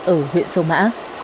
ở huyện sâu mã